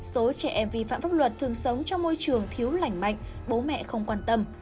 số trẻ em vi phạm pháp luật thường sống trong môi trường thiếu lành mạnh bố mẹ không quan tâm